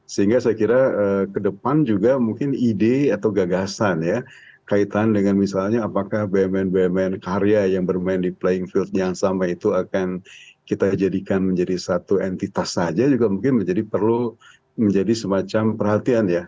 sehingga saya kira ke depan juga mungkin ide atau gagasan ya kaitan dengan misalnya apakah bumn bumn karya yang bermain di playing field yang sama itu akan kita jadikan menjadi satu entitas saja juga mungkin menjadi perlu menjadi semacam perhatian ya